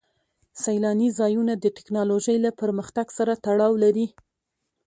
سیلاني ځایونه د تکنالوژۍ له پرمختګ سره تړاو لري.